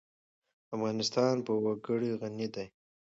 افغانستان په وګړي غني دی.